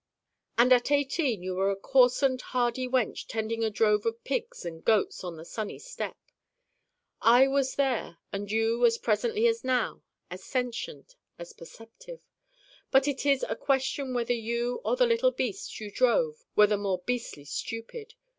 And at eighteen you were a coarsened hardy wench tending a drove of pigs and goats on the sunny steppe. I was there with you as presently as now as sentient, as perceptive. But it is a question whether you or the little beasts you drove were the more beastly stupid.